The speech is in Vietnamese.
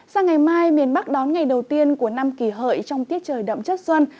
sang ngày mai miền bắc đón ngày đầu tiên của năm kỷ hợi trong tiết trời đậm chất xuân